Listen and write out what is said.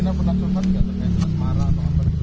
anda pernah teman mbak mbak angkina di mana